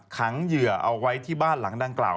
เหยื่อเอาไว้ที่บ้านหลังดังกล่าว